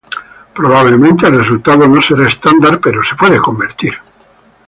Probablemente, el resultado no será estándar, pero se puede convertir.